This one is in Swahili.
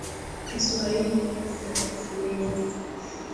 Kiswahili tunakienzi.